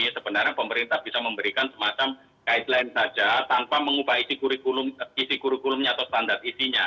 sebenarnya pemerintah bisa memberikan semacam guideline saja tanpa mengubah isi kurikulumnya atau standar isinya